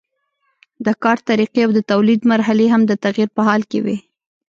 د کار طریقې او د تولید مرحلې هم د تغییر په حال کې وي.